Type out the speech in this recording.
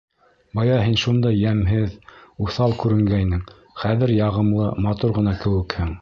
Бая һин шундай йәмһеҙ, уҫал күренгәйнең, хәҙер яғымлы, матур ғына кеүекһең...